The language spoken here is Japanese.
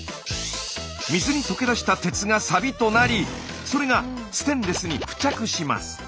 水に溶け出した鉄がサビとなりそれがステンレスに付着します。